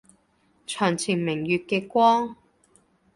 床前明月嘅光